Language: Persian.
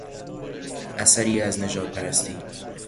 اثری از نژادپرستی